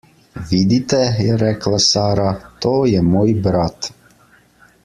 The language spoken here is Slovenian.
»Vidite,« je rekla Sara, »to je moj brat.«